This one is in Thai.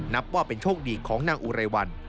นับว่าเป็นโชคดีของนางอุไรวัน